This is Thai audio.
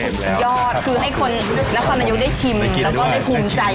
เค็ดแล้วยอดคือให้คนนครนยกได้ชิม